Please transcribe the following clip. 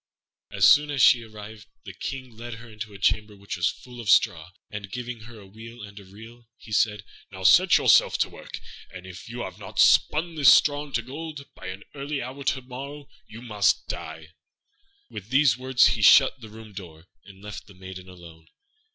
As soon as she arrived the King led her into a chamber which was full of straw; and, giving her a wheel and a reel, he said, "Now set yourself to work, and if you have not spun this straw into gold by an early hour to morrow, you must die." With these words he shut the room door, and left the maiden alone.